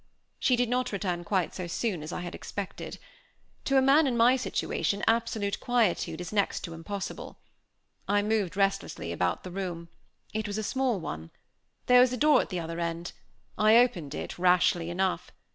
She did not return quite so soon as I had expected. To a man in my situation absolute quietude is next to impossible. I moved restlessly about the room. It was a small one. There was a door at the other end. I opened it, rashly enough.